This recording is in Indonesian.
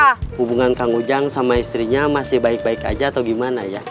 hubungan kang ujang sama istrinya masih baik baik aja atau gimana ya